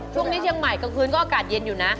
ช่วงนี้เชียงใหม่กลางคืนก็อากาศเย็นอยู่นะ